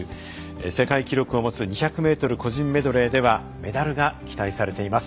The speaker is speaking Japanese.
世界記録を持つ２００ｍ個人メドレーではメダルが期待されています。